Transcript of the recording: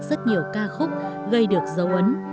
rất nhiều ca khúc gây được dấu ấn